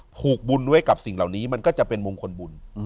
ผูกบุญไว้กับสิ่งเหล่านี้มันก็จะเป็นมงคลบุญ